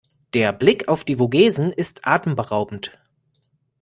Der Blick auf die Vogesen ist atemberaubend.